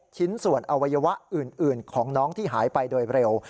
ชิ้นส่วนอวัยวะอื่นของน้องที่หายไปโดยเร็ว